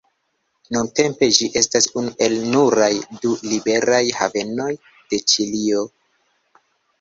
Nuntempe ĝi estas unu el nuraj du liberaj havenoj de Ĉilio.